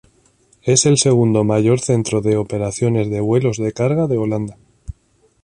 Es el segundo mayor centro de operaciones de vuelos de carga de Holanda.